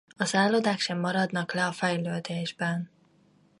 A szállodák sem maradnak le a fejlődésben.